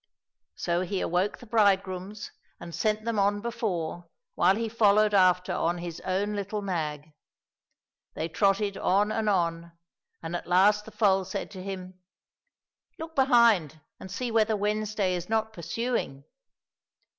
So he awoke the bridegrooms and sent them on before, while he followed after on his own little nag. They trotted on and on, and at last the foal said to him, " Look behind, and see whether Wednesday is not pursuing."